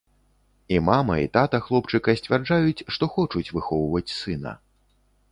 І мама, і тата хлопчыка сцвярджаюць, што хочуць выхоўваць сына.